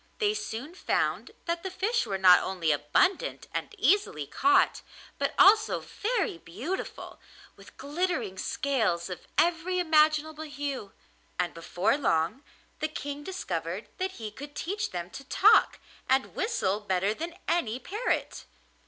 They soon found that the fish were not only abundant and easily caught, but also very beautiful, with glittering scales of every imaginable hue; and before long the King discovered that he could teach them to talk and whistle better than any parrot.